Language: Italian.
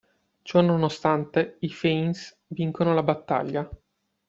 Ciononostante i Fanes vincono la battaglia.